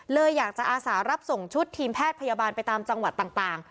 เลยอยากจะอาสารับส่งชุดทีมแพทย์พยาบาลไปตามจังหวัดต่าง